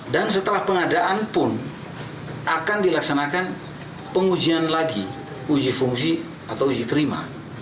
dan setelah pengadaan pun akan dilaksanakan pengujian lagi uji fungsi atau uji terima